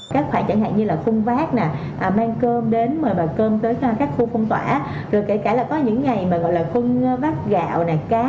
các khoản chẳng hạn như là khung vác mang cơm đến mời bà cơm tới các khu phun tỏa rồi kể cả là